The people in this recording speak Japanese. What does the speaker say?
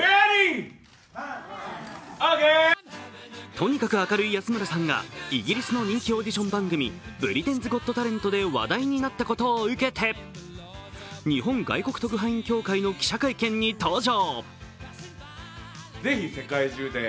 とにかく明るい安村さんが、イギリスの人気オーディション番組、「ブリテンズ・ゴット・タレント」で話題になったことを受けて、日本外国特派員協会の記者会見に登場。